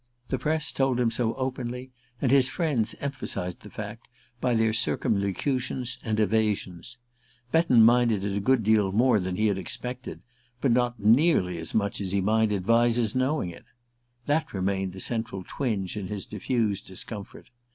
The press told him so openly, and his friends emphasized the fact by their circumlocutions and evasions. Betton minded it a good deal more than he had expected, but not nearly as much as he minded Vyse's knowing it. That remained the central twinge in his diffused discomfort.